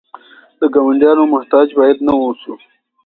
د ګاونډیانو محتاج باید نه اوسو.